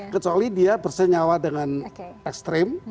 kecuali dia bersenyawa dengan ekstrim